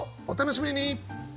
お楽しみに！